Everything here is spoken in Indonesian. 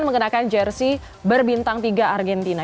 mengenakan jersey berbintang tiga argentina